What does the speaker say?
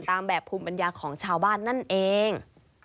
ตามแบบภูมิปัญญาของชาวบ้านนั่นเอง